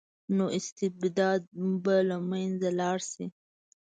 نو استبداد به له منځه لاړ شي.